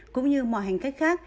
cũng như mọi hành cách khác